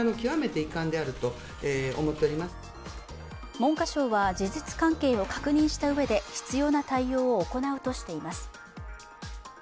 文科省は事実関係を確認したうえで、必要な対応を行うとしています。